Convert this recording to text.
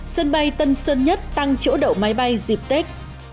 sân bay tân sơn nhất tăng chỗ đậu máy bay dịp tết